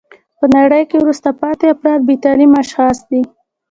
په نړۍ کښي وروسته پاته افراد بې تعلیمه اشخاص دي.